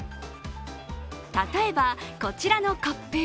例えば、こちらのコップ。